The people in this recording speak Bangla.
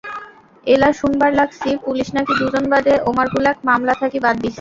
এলা শুনবার লাগছি, পুলিশ নাকি দুজন বাদে ওমারগুলাক মামলা থাকি বাদ দিছে।